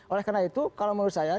oleh karena itu kalau menurut saya